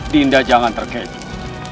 dinda jangan terkejut